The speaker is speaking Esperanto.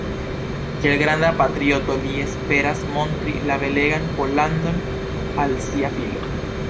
Kiel granda patrioto li esperas montri la belegan Pollandon al sia filo.